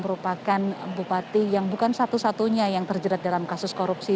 merupakan bupati yang bukan satu satunya yang terjerat dalam kasus korupsi